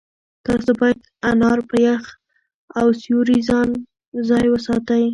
تاسو باید انار په یخ او سیوري ځای کې وساتئ.